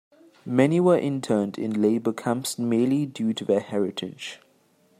Many were interned in labor camps merely due to their heritage.